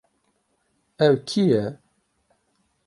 Ew kî ye?